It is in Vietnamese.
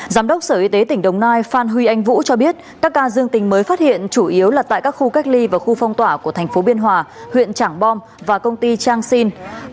giám đốc sở y tế tỉnh đồng nai phan huy anh vũ cho biết các ca dương tình mới phát hiện chủ yếu là tại các khu cách ly và khu phong tỏa của thành phố biên hòa huyện trảng bom và công ty trang sinh